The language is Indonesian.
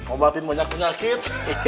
obatin banyak penyakit